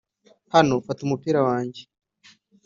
hano, fata umupira wanjye.